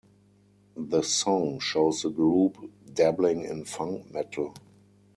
The song shows the group dabbling in funk metal.